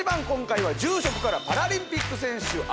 今回は住職からパラリンピック選手